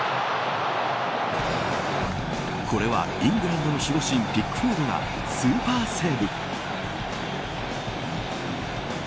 これはイングランドの守護神ピックフォードのスーパーセーブ。